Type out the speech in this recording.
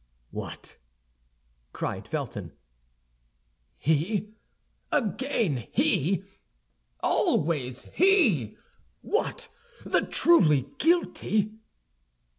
"What?" cried Felton, "he—again he—always he? What—the truly guilty?"